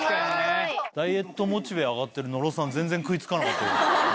ダイエットモチベ上がってる野呂さん、全然食いつかなかったですね。